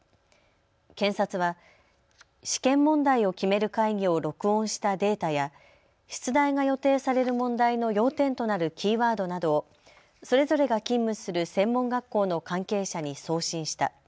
検察は試験問題を決める会議を録音したデータや出題が予定される問題の要点となるキーワードなどを、それぞれが勤務する専門学校の関係者に送信した。